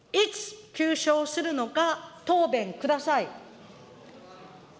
いつ求償するのか答弁ください。